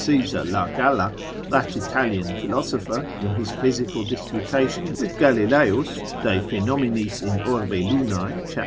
Caesar la Galla, that Italian philosopher, in his physical disputation with Galileis de phenomenis in orbe lunae, cap.